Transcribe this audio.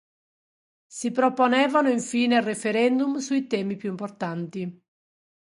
Si proponevano infine referendum sui temi più importanti.